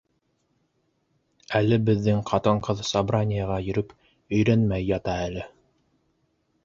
Әле беҙҙең ҡатын-ҡыҙ собраниеға йөрөп өйрәнмәй ята әле.